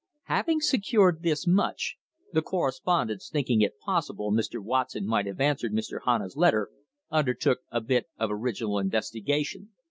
Having secured this much, the correspondent, thinking it possible Mr. Watson might have answered Mr. Hanna's let ter, undertook a bit of original investigation.